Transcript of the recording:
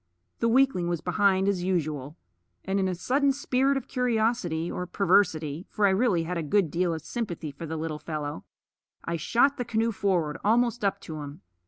The weakling was behind as usual; and in a sudden spirit of curiosity or perversity for I really had a good deal of sympathy for the little fellow I shot the canoe forward, almost up to him.